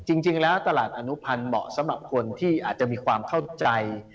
จริงแล้วตลาดอนุพันธ์เหมาะสำหรับคนที่อาจจะมีความเข้าใจ